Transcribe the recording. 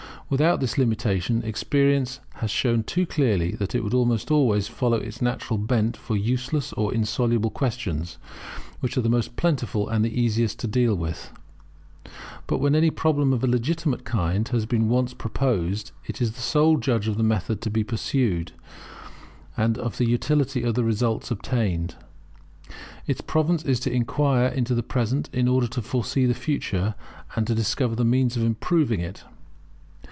Without this limitation, experience has shown too clearly that it would almost always follow its natural bent for useless or insoluble questions, which are the most plentiful and the easiest to deal with. But when any problem of a legitimate kind has been once proposed, it is the sole judge of the method to be pursued, and of the utility of the results obtained. Its province is to inquire into the present, in order to foresee the future, and to discover the means of improving it.